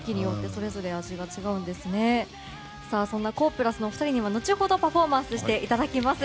そんなＫＯＨ＋のお二人には後ほどパフォーマンスしていただきます。